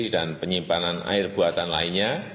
dan penyimpanan air buatan lainnya